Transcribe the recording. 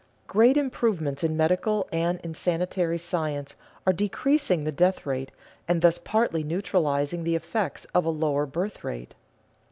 _Great improvements in medical and in sanitary science are decreasing the death rate and thus partly neutralizing the effects of a lower birth rate.